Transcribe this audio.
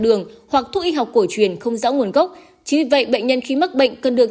đường hoặc thuốc y học cổ truyền không rõ nguồn gốc chỉ vậy bệnh nhân khi mắc bệnh cần được